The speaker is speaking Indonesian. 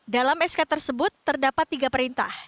dalam sk tersebut terdapat tiga perintah